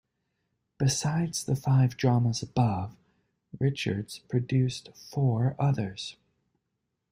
Besides the five dramas above, Richards produced four others.